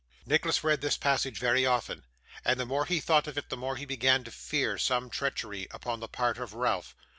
Nicholas read this passage very often, and the more he thought of it the more he began to fear some treachery upon the part of Ralph.